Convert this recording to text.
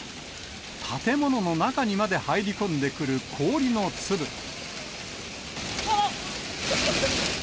建物の中にまで入り込んでくうわっ、すごい。